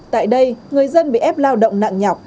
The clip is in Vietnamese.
tại đây người dân bị ép lao động nặng nhọc